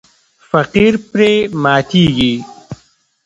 فقیر پرې ماتیږي.